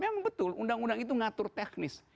memang betul undang undang itu ngatur teknis